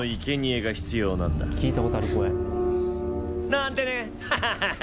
「なんてね！ハハハ。